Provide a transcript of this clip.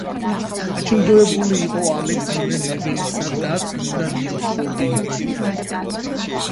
დაჯილდოებული იყო ალექსანდრე ნეველისა და წმინდა ნინოს ორდენით.